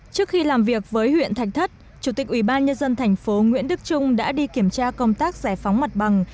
trước khi làm việc với huyện thạch thất chủ tịch ubnd tp nguyễn đức trung đã đi kiểm tra công tác giải phóng mặt bằng